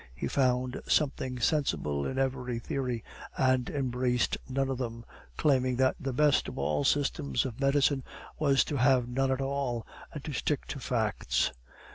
He found something sensible in every theory, and embraced none of them, claiming that the best of all systems of medicine was to have none at all, and to stick to facts.